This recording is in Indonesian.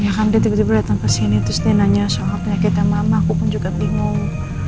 ya kan dia tiba tiba datang ke sini terus dia nanya soal penyakitnya mama aku pun juga bingung